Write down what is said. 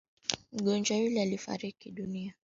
Takribani watu themanini wameuawa na mamia kujeruhiwa